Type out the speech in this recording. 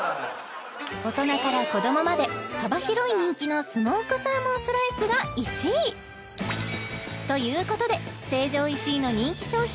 大人から子どもまで幅広い人気のスモークサーモンスライスが１位ということで成城石井の人気商品